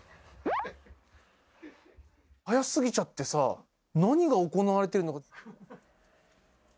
速すぎちゃってさ、何が行われているのか。